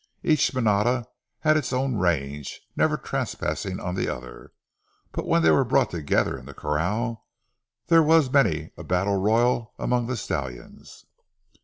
Each manada had its own range, never trespassing on others, but when they were brought together in the corral there was many a battle royal among the stallions.